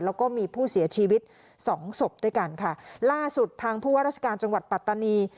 แล้วก็มีผู้เสียชีวิตสองศพด้วยกันค่ะล่าสุดทางผู้ว่าราชการจังหวัดปัตตานี